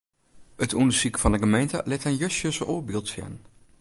It ûndersyk fan 'e gemeente lit in justjes oar byld sjen.